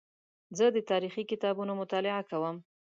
زه د تاریخي کتابونو مطالعه کوم.